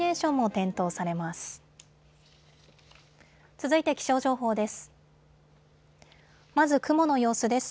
続いて気象情報です。